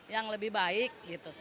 yang lebih baik